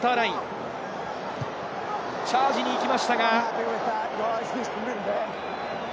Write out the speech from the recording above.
チャージに行きましたが。